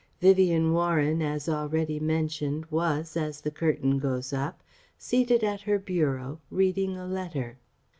Vivien Warren, as already mentioned, was, as the curtain goes up, seated at her bureau, reading a letter.